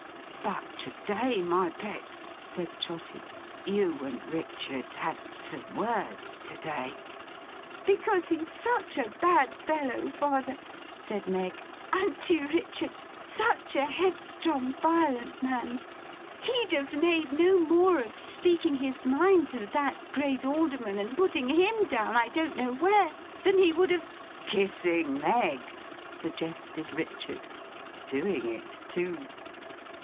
'But, to day, my pet,' said Trotty. 'You and Richard had some words to day.' 'Because he's such a bad fellow, father,' said Meg. 'An't you, Richard? Such a headstrong, violent man! He'd have made no more of speaking his mind to that great Alderman, and putting him down I don't know where, than he would of—' '—Kissing Meg,' suggested Richard. Doing it too!